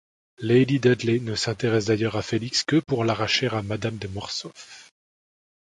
Lady Dudley ne s'intéresse d'ailleurs à Félix que pour l'arracher à madame de Mortsauf.